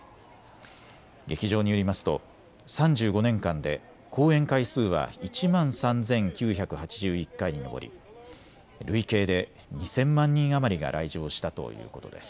劇場によりますと３５年間で公演回数は１万３９８１回に上り、累計で２０００万人余りが来場したということです。